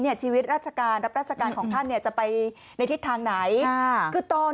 เนี่ยชีวิตราศกาลรับราศกาลของท่านจะไปในทิศทางไหนคือตอน